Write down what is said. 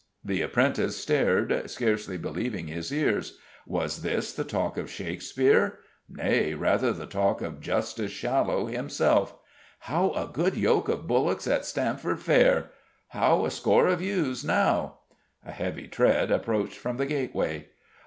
The apprentice stared, scarcely believing his ears. Was this the talk of Shakespeare? Nay, rather the talk of Justice Shallow himself "How a good yoke of bullocks at Stamford Fair?" "How a score of ewes now?" A heavy tread approached from the gateway.